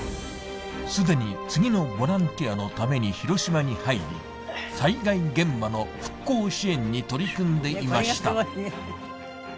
すでに次のボランティアのために広島に入り災害現場の復興支援に取り組んでいました